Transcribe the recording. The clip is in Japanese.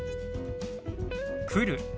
「来る」。